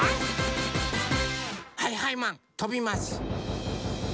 はいはいマンとびます。